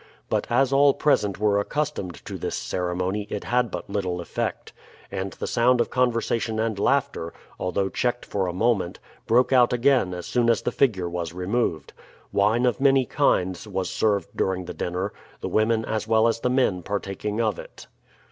But as all present were accustomed to this ceremony it had but little effect, and the sound of conversation and laughter, although checked for a moment, broke out again as soon as the figure was removed. Wine of many kinds was served during the dinner, the women as well as the men partaking of it.